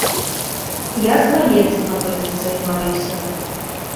Я з маленства гэтым займаюся.